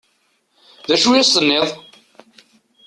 D acu i as-tenniḍ?